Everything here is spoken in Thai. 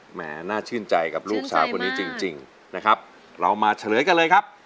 แหมน่าชื่นใจกับลูกสาวคนนี้จริงนะครับเรามาเฉลยกันเลยครับ